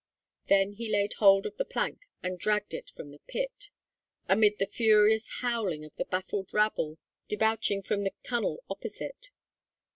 Then they laid hold upon the plank and dragged it from the pit, amid the furious howling of the baffled rabble debouching from the tunnel opposite.